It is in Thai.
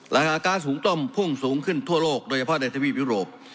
ราคาก๊าซหุงต้มพุ่งสูงขึ้นทั่วโลกโดยเฉพาะในทวีปยุโรป